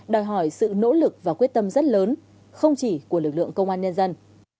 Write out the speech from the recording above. đòi hỏi sự nỗ lực và quyết tâm rất lớn không chỉ của lực lượng công an nhân dân